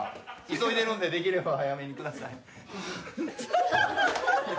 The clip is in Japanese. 急いでるんでできれば早めに下さい。